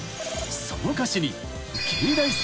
［その歌詞に］